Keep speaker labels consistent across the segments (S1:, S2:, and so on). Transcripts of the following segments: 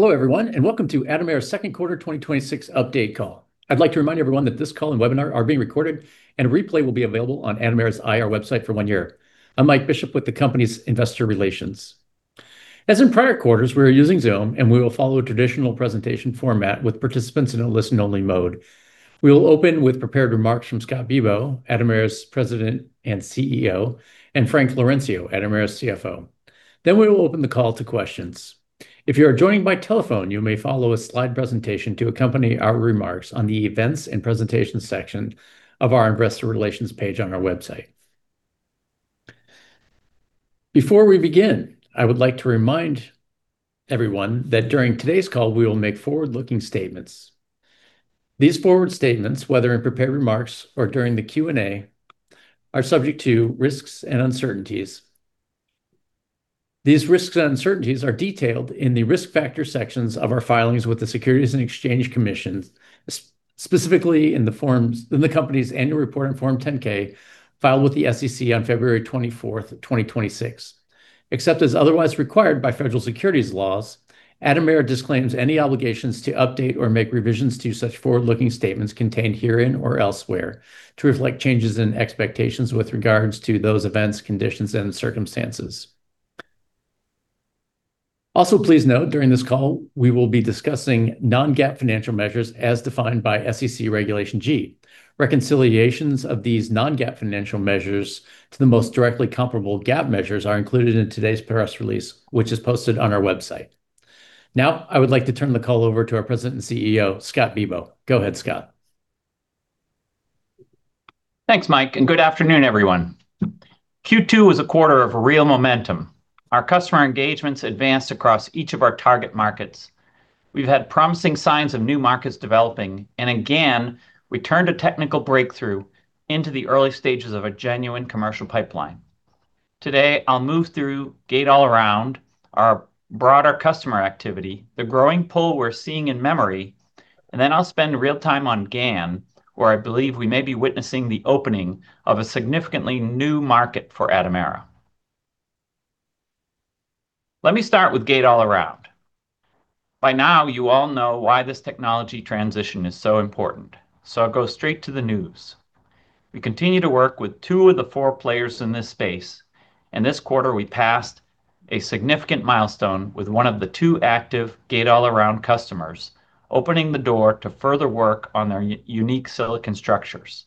S1: Hello, everyone, and welcome to Atomera's second quarter 2026 update call. I'd like to remind everyone that this call and webinar are being recorded, and a replay will be available on Atomera's IR website for one year. I'm Mike Bishop with the company's investor relations. As in prior quarters, we are using Zoom, and we will follow traditional presentation format with participants in a listen-only mode. We will open with prepared remarks from Scott Bibaud, Atomera's President and CEO, and Frank Laurencio, Atomera's CFO. We will open the call to questions. If you are joining by telephone, you may follow a slide presentation to accompany our remarks on the Events and Presentations section of our investor relations page on our website. Before we begin, I would like to remind everyone that during today's call, we will make forward-looking statements. These forward statements, whether in prepared remarks or during the Q&A, are subject to risks and uncertainties. These risks and uncertainties are detailed in the Risk Factor sections of our filings with the Securities and Exchange Commission, specifically in the company's annual report in Form 10-K filed with the SEC on February 24th, 2026. Except as otherwise required by federal securities laws, Atomera disclaims any obligations to update or make revisions to such forward-looking statements contained herein or elsewhere to reflect changes in expectations with regards to those events, conditions, and circumstances. Please note, during this call, we will be discussing non-GAAP financial measures as defined by SEC Regulation G. Reconciliations of these non-GAAP financial measures to the most directly comparable GAAP measures are included in today's press release, which is posted on our website. I would like to turn the call over to our President and CEO, Scott Bibaud. Go ahead, Scott.
S2: Thanks, Mike. Good afternoon, everyone. Q2 was a quarter of real momentum. Our customer engagements advanced across each of our target markets. We've had promising signs of new markets developing, and again, we turned a technical breakthrough into the early stages of a genuine commercial pipeline. Today, I'll move through Gate-All-Around, our broader customer activity, the growing pull we're seeing in memory, and then I'll spend real time on GaN, where I believe we may be witnessing the opening of a significantly new market for Atomera. Let me start with Gate-All-Around. By now, you all know why this technology transition is so important, so I'll go straight to the news. We continue to work with two of the four players in this space. This quarter we passed a significant milestone with one of the two active Gate-All-Around customers, opening the door to further work on their unique silicon structures.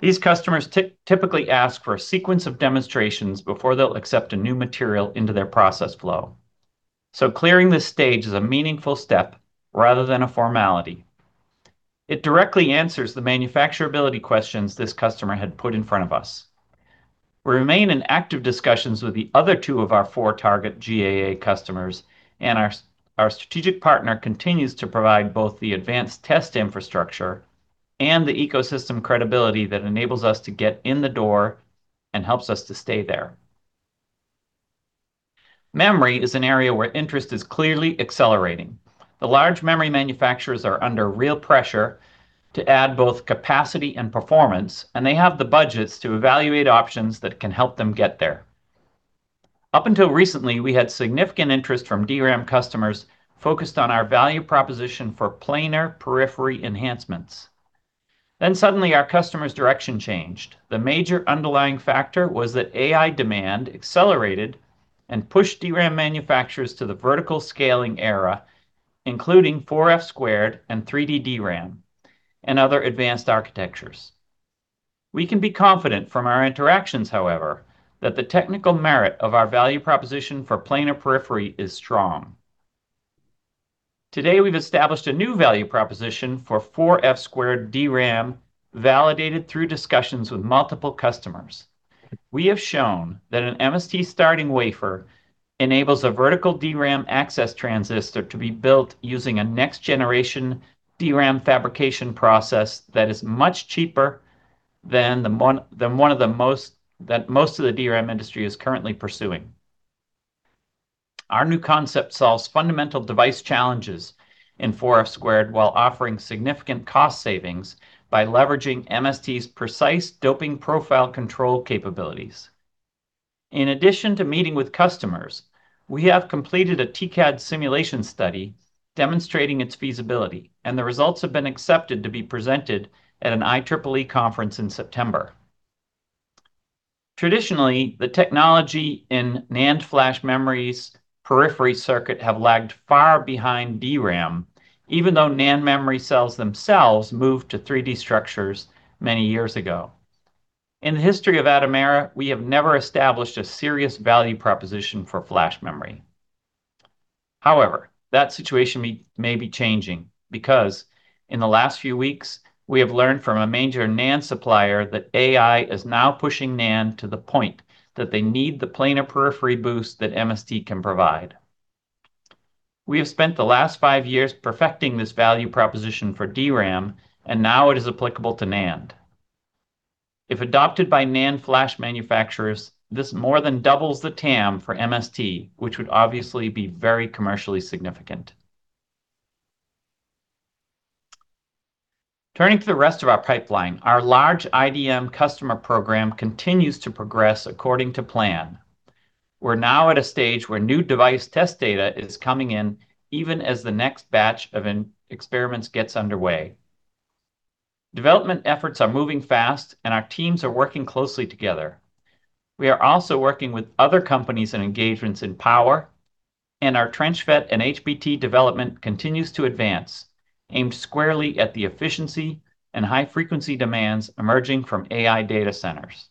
S2: These customers typically ask for a sequence of demonstrations before they'll accept a new material into their process flow. Clearing this stage is a meaningful step rather than a formality. It directly answers the manufacturability questions this customer had put in front of us. We remain in active discussions with the other two of our four target GAA customers. Our strategic partner continues to provide both the advanced test infrastructure and the ecosystem credibility that enables us to get in the door and helps us to stay there. Memory is an area where interest is clearly accelerating. The large memory manufacturers are under real pressure to add both capacity and performance. They have the budgets to evaluate options that can help them get there. Up until recently, we had significant interest from DRAM customers focused on our value proposition for planar periphery enhancements. Suddenly, our customers' direction changed. The major underlying factor was that AI demand accelerated and pushed DRAM manufacturers to the vertical scaling era, including 4F² and 3D DRAM, and other advanced architectures. We can be confident from our interactions, however, that the technical merit of our value proposition for planar periphery is strong. Today, we've established a new value proposition for 4F² DRAM, validated through discussions with multiple customers. We have shown that an MST starting wafer enables a vertical DRAM access transistor to be built using a next-generation DRAM fabrication process that is much cheaper than most of the DRAM industry is currently pursuing. Our new concept solves fundamental device challenges in 4F² while offering significant cost savings by leveraging MST's precise doping profile control capabilities. In addition to meeting with customers, we have completed a TCAD simulation study demonstrating its feasibility. The results have been accepted to be presented at an IEEE conference in September. Traditionally, the technology in NAND flash memory's periphery circuit have lagged far behind DRAM, even though NAND memory cells themselves moved to 3D structures many years ago. In the history of Atomera, we have never established a serious value proposition for flash memory. That situation may be changing because in the last few weeks, we have learned from a major NAND supplier that AI is now pushing NAND to the point that they need the planar periphery boost that MST can provide. We have spent the last five years perfecting this value proposition for DRAM. Now it is applicable to NAND. If adopted by NAND flash manufacturers, this more than doubles the TAM for MST, which would obviously be very commercially significant. Turning to the rest of our pipeline, our large IDM customer program continues to progress according to plan. We're now at a stage where new device test data is coming in even as the next batch of experiments gets underway. Development efforts are moving fast. Our teams are working closely together. We are also working with other companies and engagements in power, and our trench FET and HBT development continues to advance, aimed squarely at the efficiency and high-frequency demands emerging from AI data centers.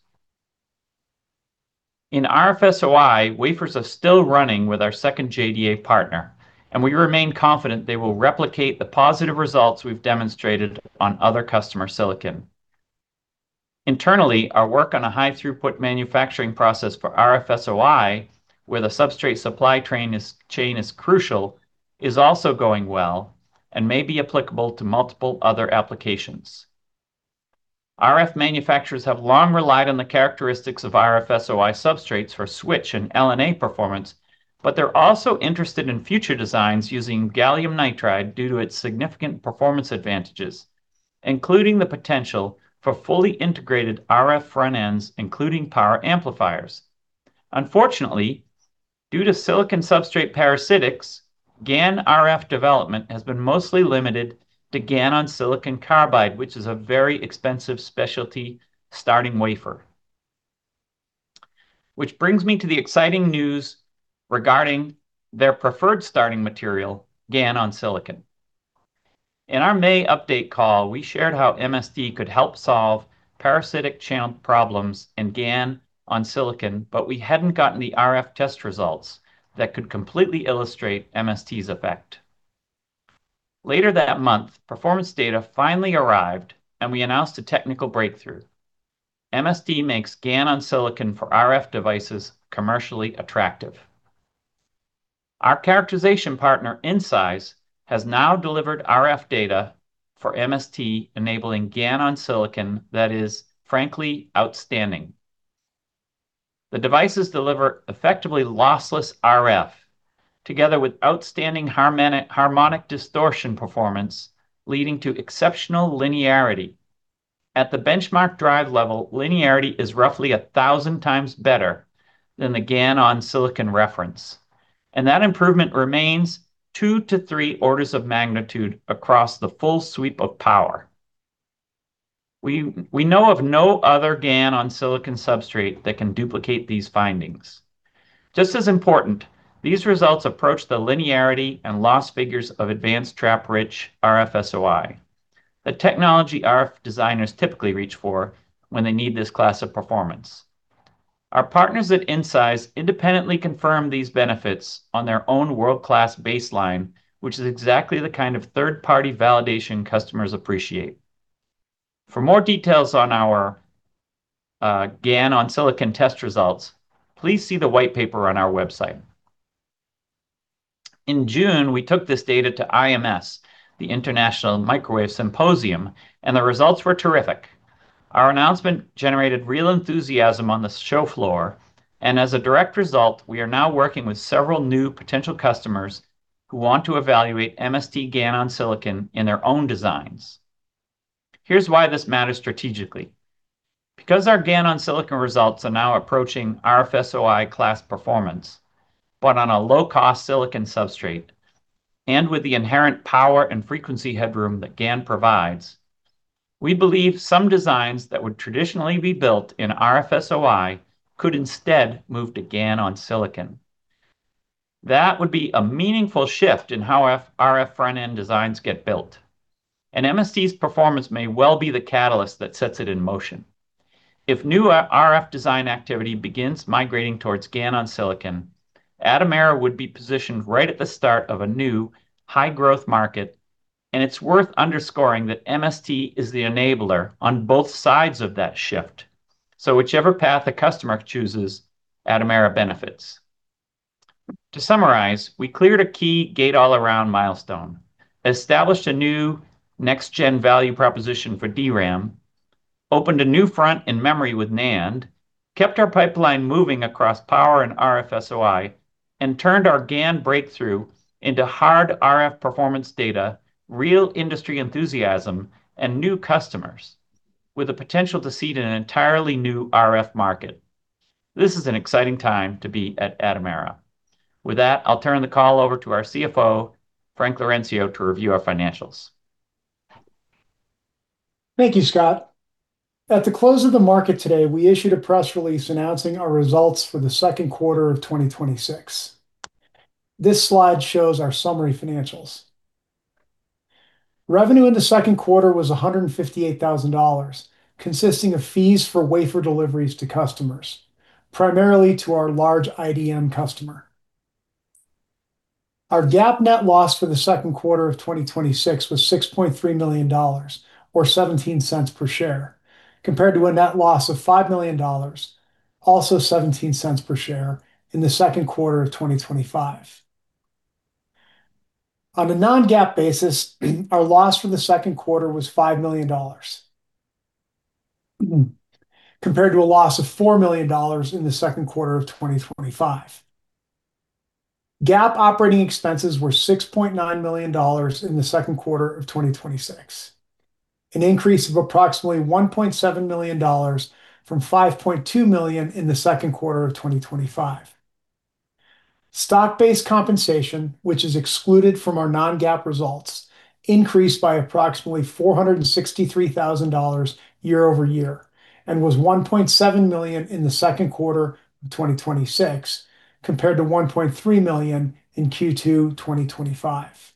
S2: In RFSOI, wafers are still running with our second JDA partner, and we remain confident they will replicate the positive results we've demonstrated on other customer silicon. Internally, our work on a high-throughput manufacturing process for RFSOI, where the substrate supply chain is crucial, is also going well and may be applicable to multiple other applications. RF manufacturers have long relied on the characteristics of RFSOI substrates for switch and LNA performance, but they're also interested in future designs using gallium nitride due to its significant performance advantages, including the potential for fully integrated RF front ends, including power amplifiers. Unfortunately, due to silicon substrate parasitics, GaN RF development has been mostly limited to GaN-on-Silicon carbide, which is a very expensive specialty starting wafer. Which brings me to the exciting news regarding their preferred starting material, GaN-on-Silicon. In our May update call, we shared how MST could help solve parasitic channel problems in GaN-on-Silicon, but we hadn't gotten the RF test results that could completely illustrate MST's effect. Later that month, performance data finally arrived, and we announced a technical breakthrough. MST makes GaN-on-Silicon for RF devices commercially attractive. Our characterization partner, Infosys, has now delivered RF data for MST-enabling GaN-on-Silicon that is frankly outstanding. The devices deliver effectively lossless RF together with outstanding harmonic distortion performance, leading to exceptional linearity. At the benchmark drive level, linearity is roughly 1,000x better than the GaN-on-Silicon reference, and that improvement remains two to three orders of magnitude across the full sweep of power. We know of no other GaN-on-Silicon substrate that can duplicate these findings. Just as important, these results approach the linearity and loss figures of advanced trap-rich RFSOI, the technology RF designers typically reach for when they need this class of performance. Our partners at Infosys independently confirmed these benefits on their own world-class baseline, which is exactly the kind of third-party validation customers appreciate. For more details on our GaN-on-Silicon test results, please see the white paper on our website. In June, we took this data to IMS, the International Microwave Symposium, and the results were terrific. Our announcement generated real enthusiasm on the show floor, and as a direct result, we are now working with several new potential customers who want to evaluate MST GaN-on-Silicon in their own designs. Here's why this matters strategically. Because our GaN-on-Silicon results are now approaching RFSOI class performance, but on a low-cost silicon substrate, and with the inherent power and frequency headroom that GaN provides, we believe some designs that would traditionally be built in RFSOI could instead move to GaN-on-Silicon. That would be a meaningful shift in how RF front-end designs get built, and MST's performance may well be the catalyst that sets it in motion. If new RF design activity begins migrating towards GaN-on-Silicon, Atomera would be positioned right at the start of a new high-growth market, and it's worth underscoring that MST is the enabler on both sides of that shift. Whichever path a customer chooses, Atomera benefits. To summarize, we cleared a key Gate-All-Around milestone, established a new next-gen value proposition for DRAM, opened a new front in memory with NAND, kept our pipeline moving across power and RFSOI, and turned our GaN breakthrough into hard RF performance data, real industry enthusiasm, and new customers with the potential to seed an entirely new RF market. This is an exciting time to be at Atomera. I'll turn the call over to our CFO, Frank Laurencio, to review our financials.
S3: Thank you, Scott. At the close of the market today, we issued a press release announcing our results for the second quarter of 2026. This slide shows our summary financials. Revenue in the second quarter was $158,000, consisting of fees for wafer deliveries to customers, primarily to our large IDM customer. Our GAAP net loss for the second quarter of 2026 was $6.3 million, or $0.17 per share, compared to a net loss of $5 million, also $0.17 per share, in the second quarter of 2025. On a non-GAAP basis, our loss for the second quarter was $5 million compared to a loss of $4 million in the second quarter of 2025. GAAP operating expenses were $6.9 million in the second quarter of 2026, an increase of approximately $1.7 million from $5.2 million in the second quarter of 2025. Stock-based compensation, which is excluded from our non-GAAP results, increased by approximately $463,000 year-over-year, and was $1.7 million in the second quarter of 2026, compared to $1.3 million in Q2 2025.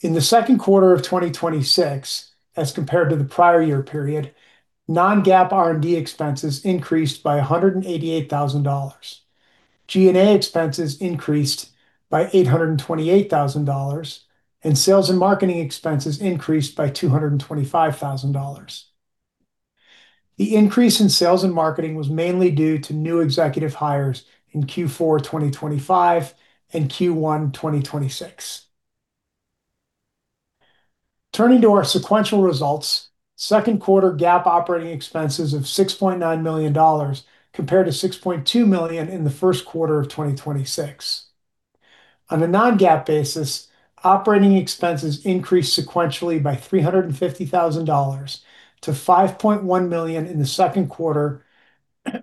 S3: In the second quarter of 2026, as compared to the prior year period, non-GAAP R&D expenses increased by $188,000, G&A expenses increased by $828,000, and sales and marketing expenses increased by $225,000. The increase in sales and marketing was mainly due to new executive hires in Q4 2025 and Q1 2026. Turning to our sequential results, second quarter GAAP operating expenses of $6.9 million compared to $6.2 million in the first quarter of 2026. On a non-GAAP basis, operating expenses increased sequentially by $350,000 to $5.1 million in the second quarter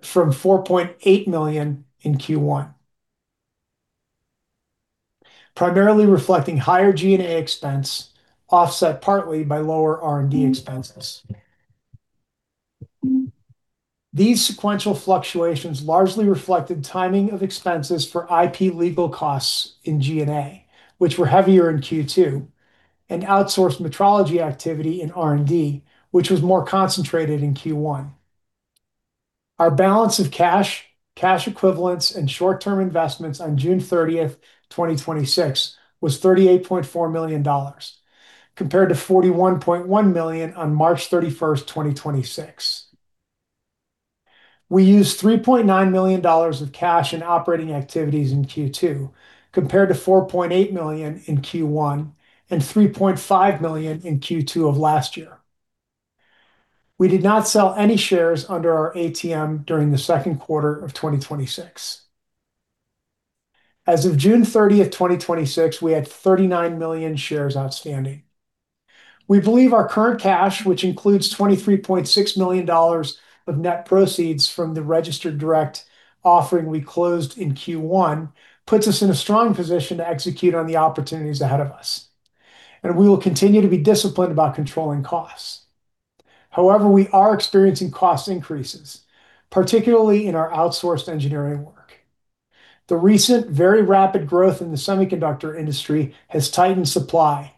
S3: from $4.8 million in Q1, primarily reflecting higher G&A expense, offset partly by lower R&D expenses. These sequential fluctuations largely reflected timing of expenses for IP legal costs in G&A, which were heavier in Q2, and outsourced metrology activity in R&D, which was more concentrated in Q1. Our balance of cash equivalents, and short-term investments on June 30th, 2026, was $38.4 million, compared to $41.1 million on March 31st, 2026. We used $3.9 million of cash in operating activities in Q2, compared to $4.8 million in Q1 and $3.5 million in Q2 of last year. We did not sell any shares under our ATM during the second quarter of 2026. As of June 30th, 2026, we had 39 million shares outstanding. We believe our current cash, which includes $23.6 million of net proceeds from the registered direct offering we closed in Q1, puts us in a strong position to execute on the opportunities ahead of us, and we will continue to be disciplined about controlling costs. However, we are experiencing cost increases, particularly in our outsourced engineering work. The recent very rapid growth in the semiconductor industry has tightened supply,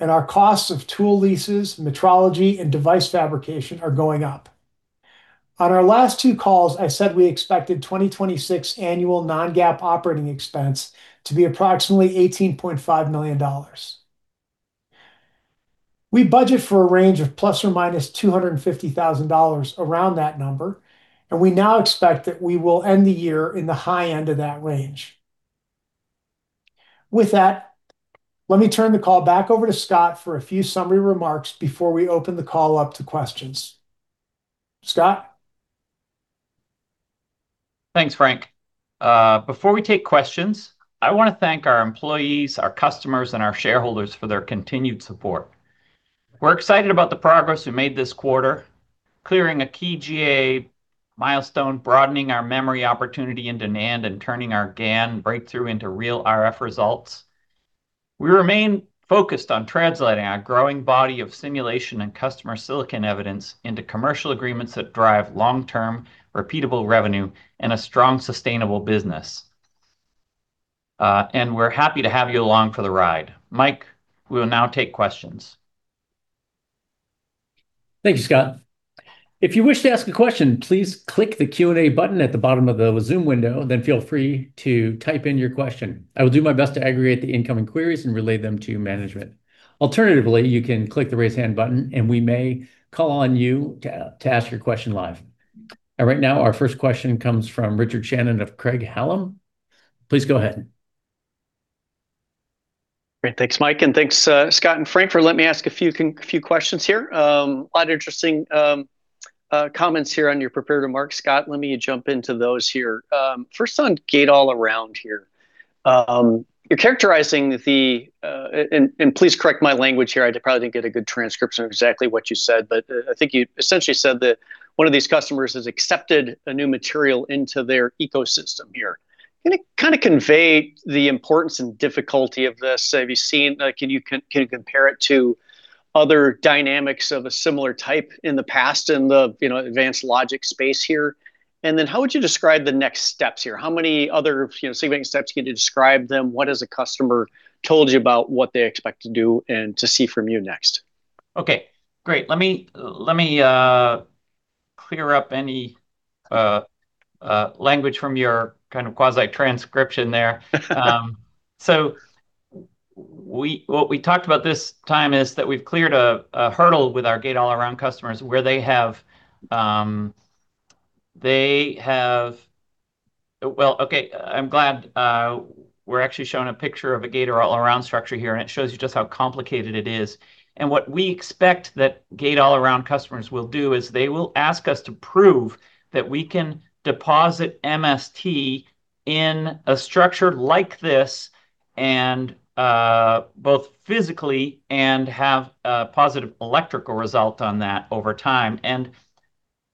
S3: and our costs of tool leases, metrology, and device fabrication are going up. On our last two calls, I said we expected 2026 annual non-GAAP operating expense to be approximately $18.5 million. We budget for a range of ±$250,000 around that number, and we now expect that we will end the year in the high end of that range. With that, let me turn the call back over to Scott for a few summary remarks before we open the call up to questions. Scott?
S2: Thanks, Frank. Before we take questions, I want to thank our employees, our customers, and our shareholders for their continued support. We're excited about the progress we made this quarter, clearing a key GAA milestone, broadening our memory opportunity in NAND, and turning our GaN breakthrough into real RF results. We remain focused on translating our growing body of simulation and customer silicon evidence into commercial agreements that drive long-term repeatable revenue and a strong, sustainable business. We're happy to have you along for the ride. Mike, we will now take questions.
S1: Thank you, Scott. If you wish to ask a question, please click the Q&A button at the bottom of the Zoom window, then feel free to type in your question. I will do my best to aggregate the incoming queries and relay them to management. Alternatively, you can click the raise hand button, and we may call on you to ask your question live. Right now, our first question comes from Richard Shannon of Craig-Hallum. Please go ahead.
S4: Great. Thanks, Mike, and thanks, Scott and Frank, for letting me ask a few questions here. A lot of interesting comments here on your prepared remarks, Scott. Let me jump into those here. First on Gate-All-Around here. You're characterizing the, and please correct my language here, I probably didn't get a good transcription of exactly what you said, but I think you essentially said that one of these customers has accepted a new material into their ecosystem here. Can you convey the importance and difficulty of this? Can you compare it to other dynamics of a similar type in the past in the advanced logic space here? How would you describe the next steps here? How many other significant steps? Can you describe them? What has the customer told you about what they expect to do and to see from you next?
S2: Great. Let me clear up any language from your quasi-transcription there. What we talked about this time is that we've cleared a hurdle with our Gate-All-Around customers where they have I'm glad we're actually shown a picture of a Gate-All-Around structure here, and it shows you just how complicated it is. What we expect that Gate-All-Around customers will do is they will ask us to prove that we can deposit MST in a structure like this, both physically and have a positive electrical result on that over time.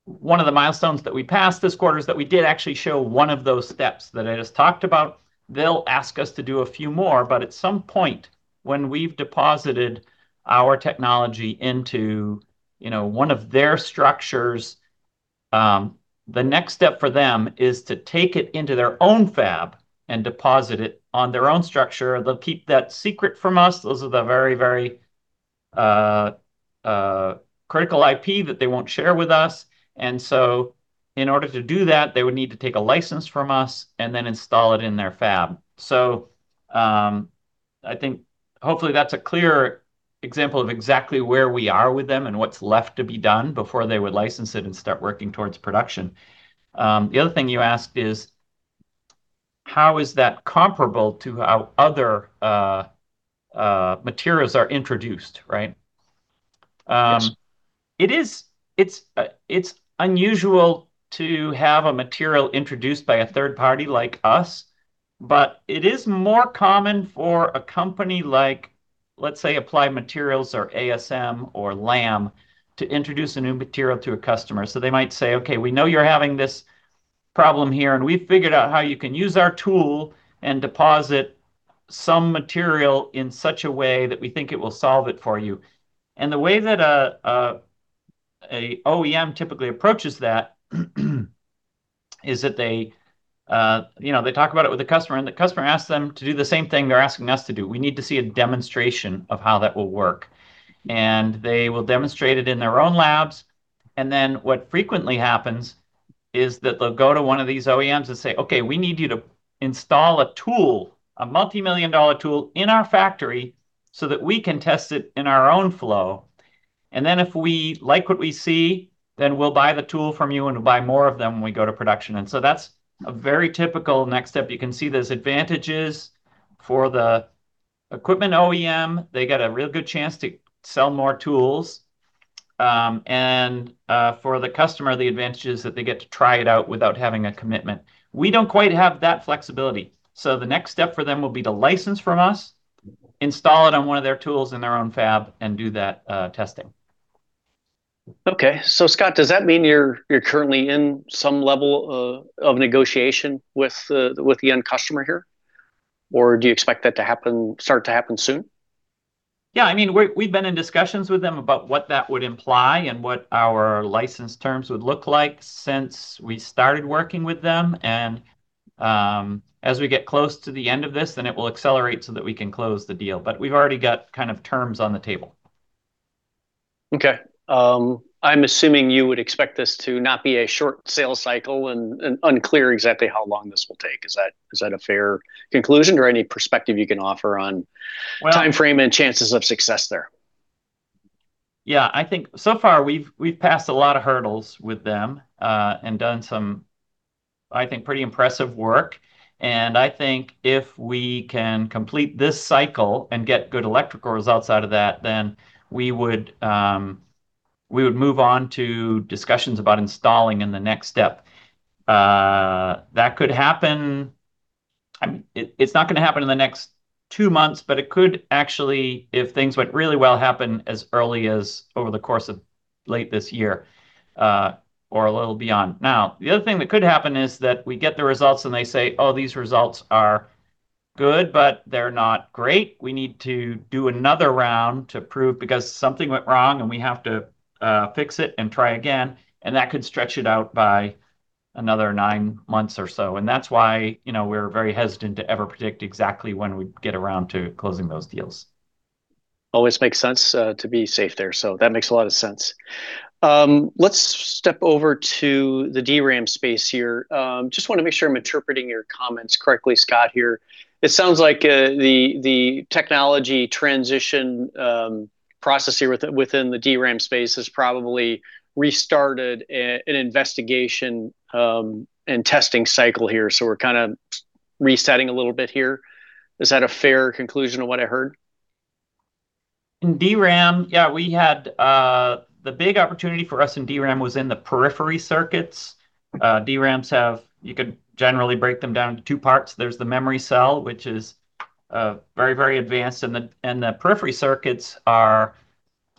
S2: One of the milestones that we passed this quarter is that we did actually show one of those steps that I just talked about. They'll ask us to do a few more, at some point when we've deposited our technology into one of their structures, the next step for them is to take it into their own fab and deposit it on their own structure. They'll keep that secret from us. Those are the very critical IP that they won't share with us. In order to do that, they would need to take a license from us and then install it in their fab. I think hopefully that's a clear example of exactly where we are with them and what's left to be done before they would license it and start working towards production. The other thing you asked is, how is that comparable to how other materials are introduced, right?
S4: Yes.
S2: It's unusual to have a material introduced by a third party like us, it is more common for a company like, let's say, Applied Materials or ASM or Lam Research to introduce a new material to a customer. They might say, "We know you're having this problem here, we've figured out how you can use our tool and deposit some material in such a way that we think it will solve it for you." The way that a OEM typically approaches that, is that they talk about it with the customer, the customer asks them to do the same thing they're asking us to do. We need to see a demonstration of how that will work, they will demonstrate it in their own labs. What frequently happens is that they'll go to one of these OEMs and say, "Okay, we need you to install a tool, a multimillion-dollar tool, in our factory so that we can test it in our own flow. If we like what we see, then we'll buy the tool from you and we'll buy more of them when we go to production." That's a very typical next step. You can see there's advantages for the equipment OEM. They get a real good chance to sell more tools. For the customer, the advantage is that they get to try it out without having a commitment. We don't quite have that flexibility, so the next step for them will be to license from us, install it on one of their tools in their own fab, and do that testing.
S4: Okay. Scott, does that mean you're currently in some level of negotiation with the end customer here, or do you expect that to start to happen soon?
S2: We've been in discussions with them about what that would imply and what our license terms would look like since we started working with them. As we get close to the end of this, then it will accelerate so that we can close the deal. We've already got kind of terms on the table.
S4: Okay. I'm assuming you would expect this to not be a short sales cycle and unclear exactly how long this will take. Is that a fair conclusion or any perspective you can offer on timeframe and chances of success there?
S2: I think so far we've passed a lot of hurdles with them, and done some, I think, pretty impressive work. If we can complete this cycle and get good electrical results out of that, then we would move on to discussions about installing in the next step. That could happen. It's not going to happen in the next two months, but it could actually, if things went really well, happen as early as over the course of late this year, or a little beyond. The other thing that could happen is that we get the results and they say, "Oh, these results are good, but they're not great. We need to do another round to prove because something went wrong and we have to fix it and try again." That could stretch it out by another nine months or so. That's why we're very hesitant to ever predict exactly when we'd get around to closing those deals.
S4: Always makes sense to be safe there. That makes a lot of sense. Let's step over to the DRAM space here. Just want to make sure I'm interpreting your comments correctly, Scott, here. It sounds like the technology transition process here within the DRAM space has probably restarted an investigation and testing cycle here. We're kind of resetting a little bit here. Is that a fair conclusion of what I heard?
S2: In DRAM, yeah. The big opportunity for us in DRAM was in the periphery circuits. DRAMs have, you could generally break them down into two parts. There's the memory cell, which is very advanced, and the periphery circuits are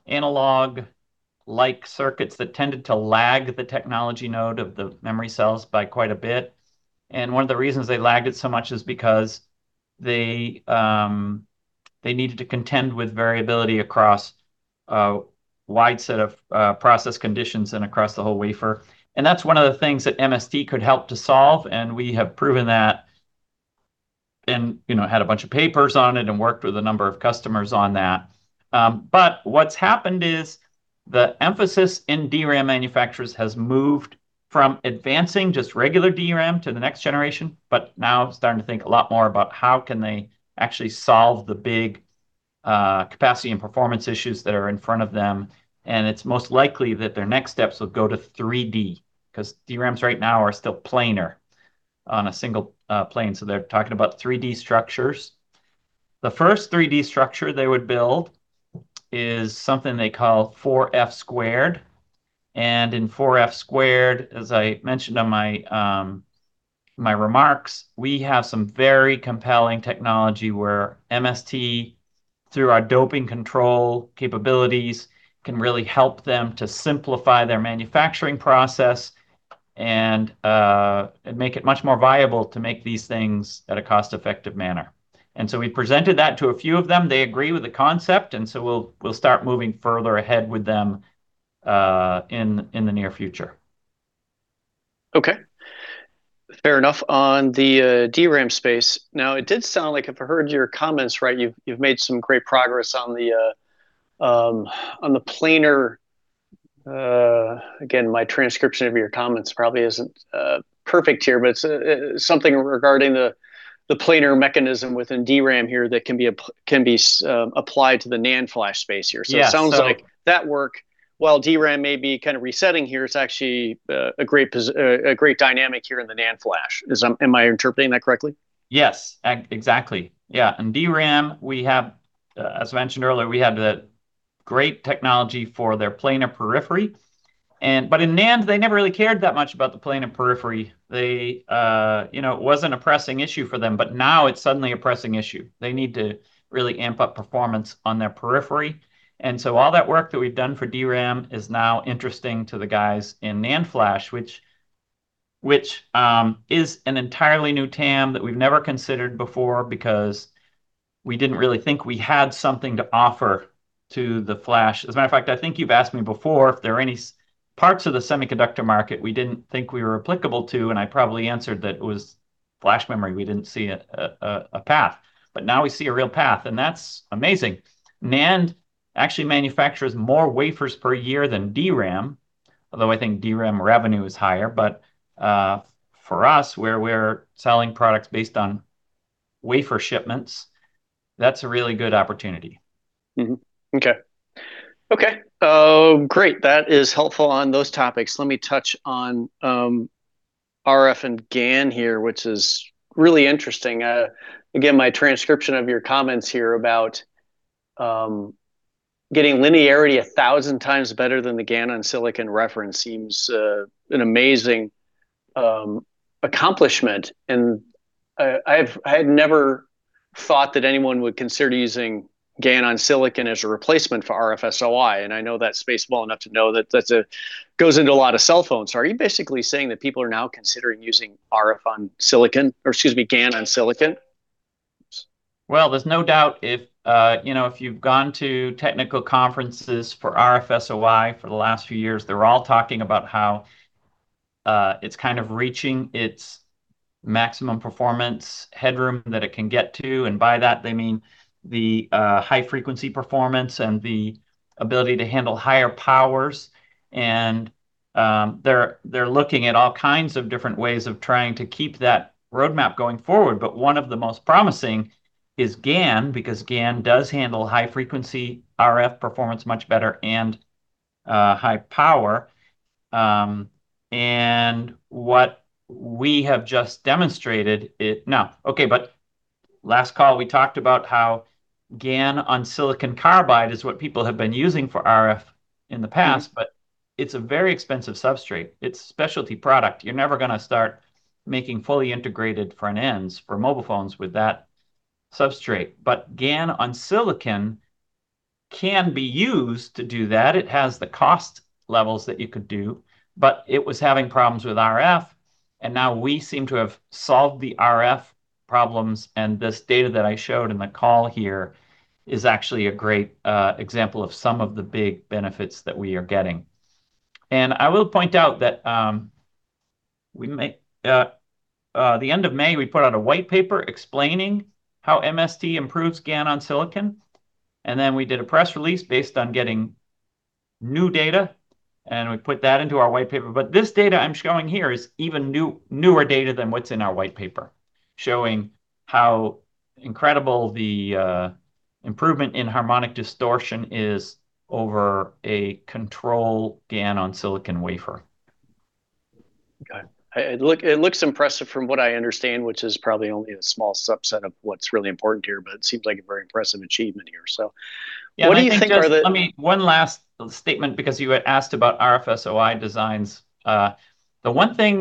S2: analog-like circuits that tended to lag the technology node of the memory cells by quite a bit. One of the reasons they lagged it so much is because they needed to contend with variability across a wide set of process conditions and across the whole wafer. That's one of the things that MST could help to solve, and we have proven that and had a bunch of papers on it and worked with a number of customers on that. What's happened is the emphasis in DRAM manufacturers has moved from advancing just regular DRAM to the next generation, but now starting to think a lot more about how can they actually solve the big capacity and performance issues that are in front of them, and it's most likely that their next steps will go to 3D, because DRAMs right now are still planar on a single plane. They're talking about 3D structures. The first 3D structure they would build is something they call 4F², and in 4F², as I mentioned on my remarks, we have some very compelling technology where MST, through our doping control capabilities, can really help them to simplify their manufacturing process and make it much more viable to make these things at a cost-effective manner. We presented that to a few of them. They agree with the concept, we'll start moving further ahead with them in the near future.
S4: Okay. Fair enough on the DRAM space. It did sound like, if I heard your comments right, you've made some great progress on the planar, again, my transcription of your comments probably isn't perfect here, but something regarding the planar mechanism within DRAM here that can be applied to the NAND flash space here.
S2: Yes.
S4: It sounds like that work, while DRAM may be kind of resetting here, it's actually a great dynamic here in the NAND flash. Am I interpreting that correctly?
S2: Yes, exactly. Yeah. In DRAM, as mentioned earlier, we have the great technology for their planar periphery. In NAND, they never really cared that much about the planar periphery. It wasn't a pressing issue for them, but now it's suddenly a pressing issue. They need to really amp up performance on their periphery. All that work that we've done for DRAM is now interesting to the guys in NAND flash, which is an entirely new TAM that we've never considered before, because we didn't really think we had something to offer to the flash. As a matter of fact, I think you've asked me before if there are any parts of the semiconductor market we didn't think we were applicable to, and I probably answered that it was flash memory. We didn't see a path. Now we see a real path, and that's amazing. NAND actually manufactures more wafers per year than DRAM, although I think DRAM revenue is higher. For us, where we're selling products based on wafer shipments, that's a really good opportunity.
S4: Okay. Great. That is helpful on those topics. Let me touch on RF and GaN here, which is really interesting. Again, my transcription of your comments here about getting linearity 1,000x better than the GaN-on-Silicon reference seems an amazing accomplishment, and I had never thought that anyone would consider using GaN-on-Silicon as a replacement for RF SOI, and I know that space well enough to know that that goes into a lot of cell phones. Are you basically saying that people are now considering using GaN-on-Silicon?
S2: There's no doubt if you've gone to technical conferences for RF SOI for the last few years, they're all talking about how it's kind of reaching its maximum performance headroom that it can get to, and by that they mean the high-frequency performance and the ability to handle higher powers. They're looking at all kinds of different ways of trying to keep that roadmap going forward. One of the most promising is GaN, because GaN does handle high-frequency RF performance much better and high power. Now, okay, last call we talked about how GaN-on-Silicon carbide is what people have been using for RF in the past. It's a very expensive substrate. It's specialty product. You're never going to start making fully integrated front ends for mobile phones with that substrate. GaN-on-Silicon can be used to do that. It has the cost levels that you could do, but it was having problems with RF, and now we seem to have solved the RF problems, and this data that I showed in the call here is actually a great example of some of the big benefits that we are getting. I will point out that the end of May, we put out a white paper explaining how MST improves GaN-on-Silicon, and then we did a press release based on getting new data, and we put that into our white paper. This data I'm showing here is even newer data than what's in our white paper, showing how incredible the improvement in harmonic distortion is over a control GaN-on-Silicon wafer.
S4: Okay. It looks impressive from what I understand, which is probably only a small subset of what's really important here, it seems like a very impressive achievement here. What do you think are the-
S2: Let me, one last statement, because you had asked about RF SOI designs. The one thing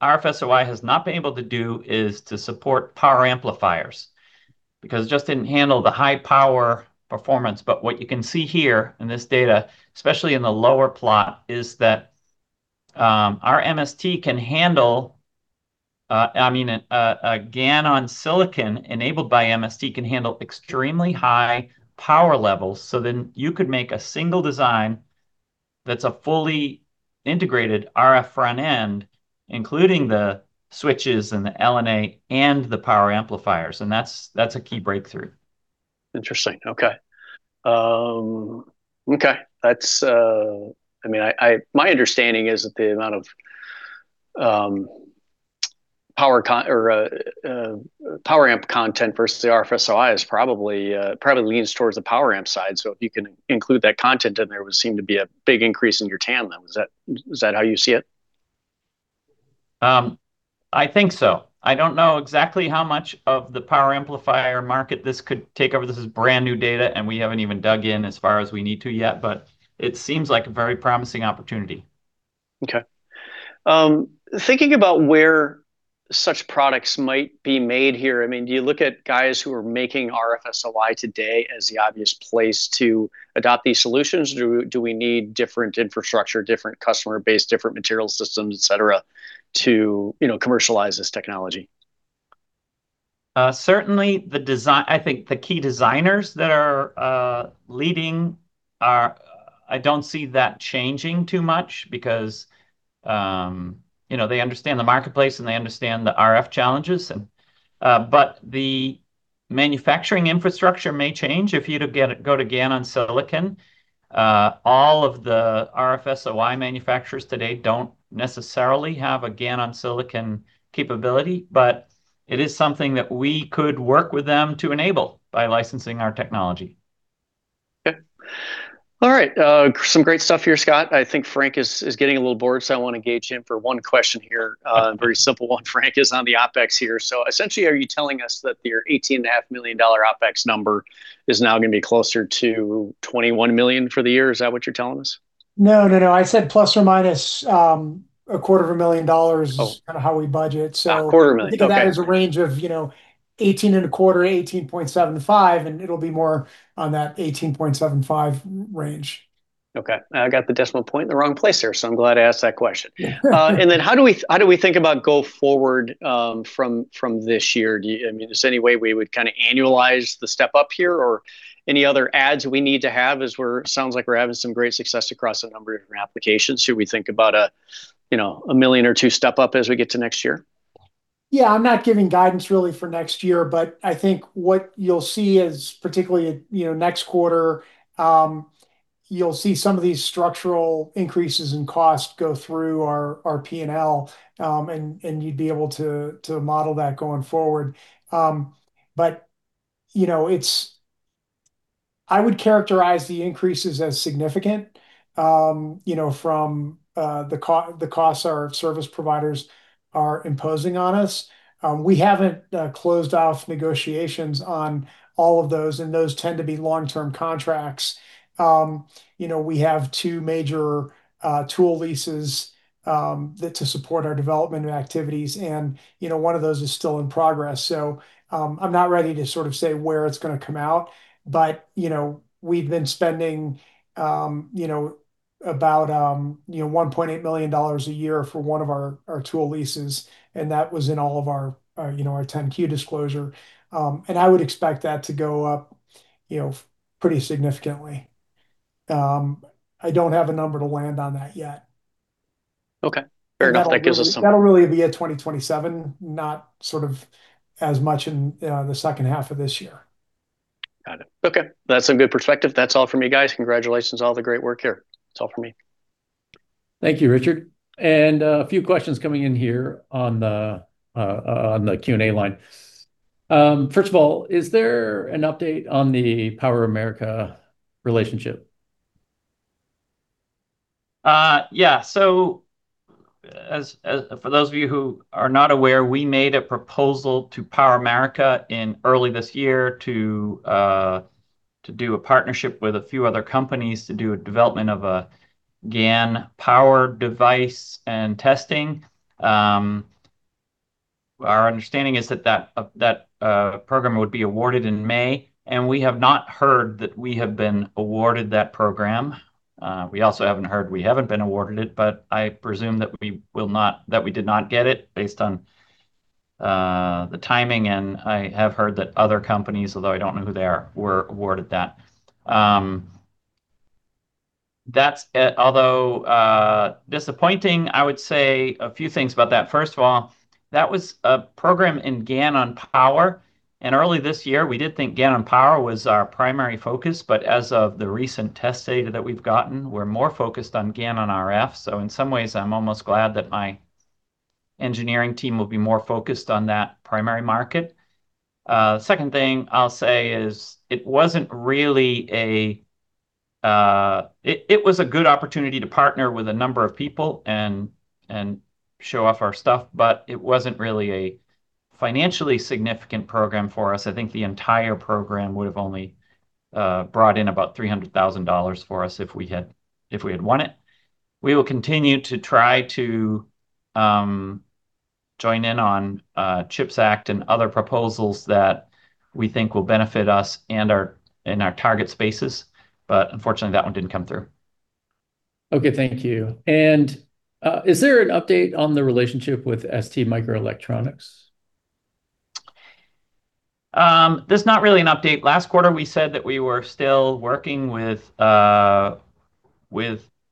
S2: that RF SOI has not been able to do is to support power amplifiers, because it just didn't handle the high power performance. What you can see here in this data, especially in the lower plot, is that our MST can handle, I mean, a GaN-on-Silicon enabled by MST can handle extremely high power levels. You could make a single design that's a fully integrated RF front end, including the switches and the LNA and the power amplifiers, that's a key breakthrough.
S4: Interesting. Okay. Okay. My understanding is that the amount of power amp content versus the RF SOI probably leans towards the power amp side. If you can include that content in there, it would seem to be a big increase in your TAM then. Is that how you see it?
S2: I think so. I don't know exactly how much of the power amplifier market this could take over. This is brand-new data, and we haven't even dug in as far as we need to yet, but it seems like a very promising opportunity.
S4: Okay. Thinking about where such products might be made here, do you look at guys who are making RF SOI today as the obvious place to adopt these solutions? Do we need different infrastructure, different customer base, different material systems, et cetera, to commercialize this technology?
S2: Certainly, I think the key designers that are leading I don't see that changing too much because they understand the marketplace, and they understand the RF challenges. The manufacturing infrastructure may change if you go to GaN-on-Silicon. All of the RF SOI manufacturers today don't necessarily have a GaN-on-Silicon capability, but it is something that we could work with them to enable by licensing our technology.
S4: Okay. All right. Some great stuff here, Scott. I think Frank is getting a little bored, I want to engage him for one question here. A very simple one, Frank, is on the OpEx here. Essentially, are you telling us that your $18.5 million OpEx number is now going to be closer to $21 million for the year? Is that what you're telling us?
S3: No, I said ±$250,000.
S4: Oh
S3: is kind of how we budget.
S4: A $250,000. Okay
S3: I think that is a range of 18 and a quarter, $18.75, and it'll be more on that $18.75 range.
S4: Okay. I got the decimal point in the wrong place there, so I'm glad I asked that question.
S3: Yeah.
S4: How do we think about go forward from this year? Is there any way we would annualize the step-up here, or any other adds we need to have as sounds like we're having some great success across a number of different applications. Should we think about $1 million or $2 million step up as we get to next year?
S3: Yeah, I'm not giving guidance really for next year, but I think what you'll see is, particularly next quarter, you'll see some of these structural increases in cost go through our P&L, and you'd be able to model that going forward. I would characterize the increases as significant from the costs our service providers are imposing on us. We haven't closed off negotiations on all of those, and those tend to be long-term contracts. We have two major tool leases to support our development and activities, and one of those is still in progress. I'm not ready to say where it's going to come out, but we've been spending about $1.8 million a year for one of our tool leases, and that was in all of our 10-Q disclosure. I would expect that to go up pretty significantly. I don't have a number to land on that yet.
S4: Okay. Fair enough.
S3: That'll really be a 2027, not as much in the second half of this year.
S4: Got it. Okay. That's some good perspective. That's all from me, guys. Congratulations, all the great work here. That's all from me.
S1: Thank you, Richard. A few questions coming in here on the Q&A line. First of all, is there an update on the PowerAmerica relationship?
S2: Yeah. For those of you who are not aware, we made a proposal to PowerAmerica in early this year to do a partnership with a few other companies to do a development of a GaN power device and testing. Our understanding is that that program would be awarded in May, we have not heard that we have been awarded that program. We also haven't heard we haven't been awarded it, but I presume that we did not get it based on the timing, I have heard that other companies, although I don't know who they are, were awarded that. Although disappointing, I would say a few things about that. First of all, that was a program in GaN on power, early this year, we did think GaN on power was our primary focus. As of the recent test data that we've gotten, we're more focused on GaN on RF. In some ways, I'm almost glad that my engineering team will be more focused on that primary market. Second thing I'll say is it was a good opportunity to partner with a number of people and show off our stuff, it wasn't really a financially significant program for us. I think the entire program would've only brought in about $300,000 for us if we had won it. We will continue to try to join in on CHIPS Act and other proposals that we think will benefit us in our target spaces, unfortunately, that one didn't come through.
S1: Okay, thank you. Is there an update on the relationship with STMicroelectronics?
S2: There's not really an update. Last quarter, we said that we were still working with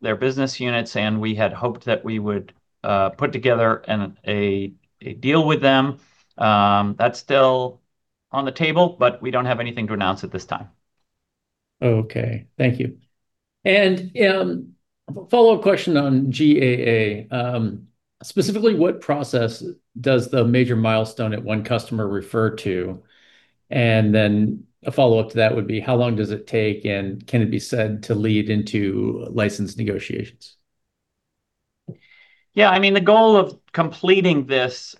S2: their business units, and we had hoped that we would put together a deal with them. That's still on the table, but we don't have anything to announce at this time.
S1: Okay. Thank you. A follow-up question on GAA. Specifically, what process does the major milestone at one customer refer to? A follow-up to that would be, how long does it take, and can it be said to lead into license negotiations?
S2: Yeah. The goal of completing this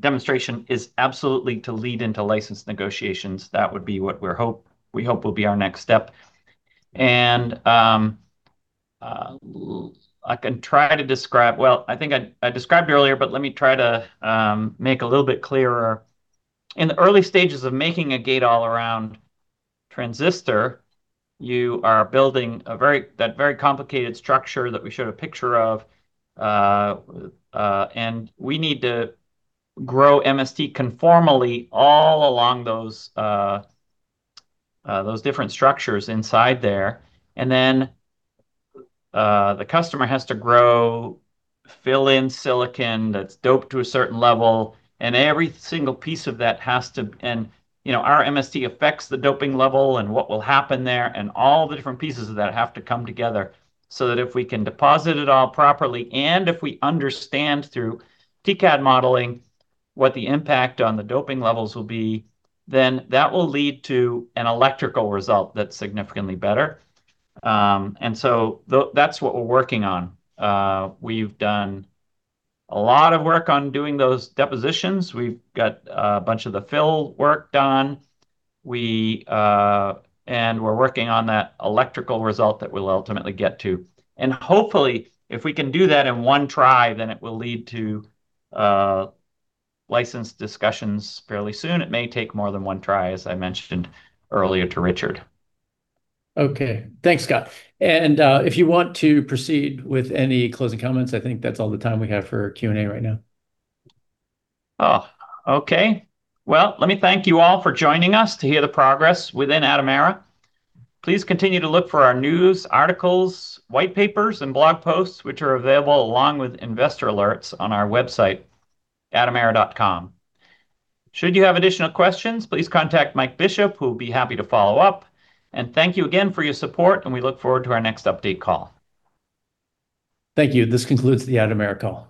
S2: demonstration is absolutely to lead into license negotiations. That would be what we hope will be our next step. I can try to describe. Well, I think I described earlier, but let me try to make a little bit clearer. In the early stages of making a Gate-All-Around transistor, you are building that very complicated structure that we showed a picture of, and we need to grow MST conformally all along those different structures inside there. The customer has to grow, fill in silicon that's doped to a certain level, and every single piece of that has to. Our MST affects the doping level and what will happen there, and all the different pieces of that have to come together so that if we can deposit it all properly and if we understand through TCAD modeling what the impact on the doping levels will be, then that will lead to an electrical result that's significantly better. That's what we're working on. We've done a lot of work on doing those depositions. We've got a bunch of the fill work done. We're working on that electrical result that we'll ultimately get to. Hopefully, if we can do that in one try, then it will lead to license discussions fairly soon. It may take more than one try, as I mentioned earlier to Richard.
S1: Okay. Thanks, Scott. If you want to proceed with any closing comments, I think that's all the time we have for Q&A right now.
S2: Okay. Well, let me thank you all for joining us to hear the progress within Atomera. Please continue to look for our news articles, white papers, and blog posts, which are available along with investor alerts on our website, atomera.com. Should you have additional questions, please contact Mike Bishop, who will be happy to follow up. Thank you again for your support, and we look forward to our next update call.
S1: Thank you. This concludes the Atomera call.